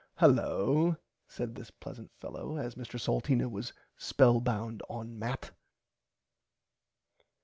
Hullo said this pleasant fellow as Mr. Salteena was spell bound on mat.